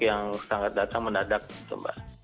yang sangat datang mendadak gitu mbak